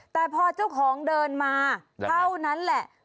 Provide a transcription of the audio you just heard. แต่พอเจ้าของเดินมาเท่านั้นแหละ